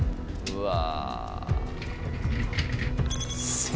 うわ！